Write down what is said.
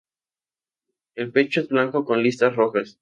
El pecho es blanco con listas rojas.